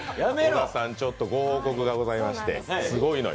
小田さん、ちょっとご報告がございまして、すごいのよ